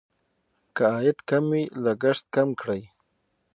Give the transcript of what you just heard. که عاید کم وي لګښت کم کړئ.